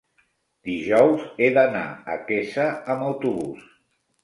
Dijous he d'anar a Quesa amb autobús.